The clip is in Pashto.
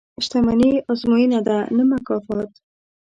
• شتمني ازموینه ده، نه مکافات.